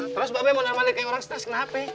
terus bapaknya normalnya kayak orang stres kenapa